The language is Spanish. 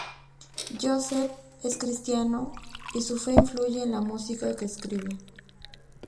Joseph es cristiano, y su fe influye en la música que escribe.